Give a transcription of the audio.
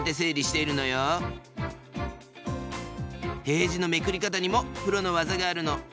ページのめくりかたにもプロの技があるの。